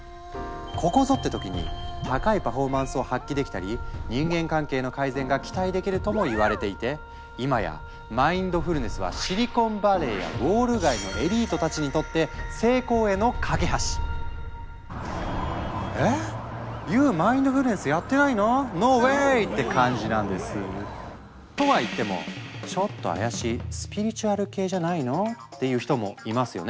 「ここぞ！」って時に高いパフォーマンスを発揮できたり人間関係の改善が期待できるともいわれていて今や「マインドフルネス」はシリコンバレーやウォール街のエリートたちにとってえ⁉ＹＯＵマインドフルネスやってないの⁉ＮＯＷＡＹって感じなんです。とは言っても「ちょっと怪しいスピリチュアル系じゃないの？」っていう人もいますよね？